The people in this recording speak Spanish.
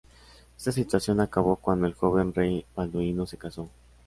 Esta situación acabó cuando el joven rey Balduino se casó.